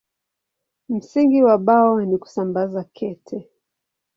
Msingi wa Bao ni kusambaza kete.